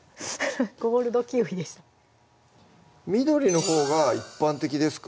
ゴールドキウイでした緑のほうが一般的ですか？